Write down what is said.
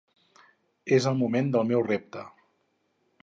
És el moment del meu repte.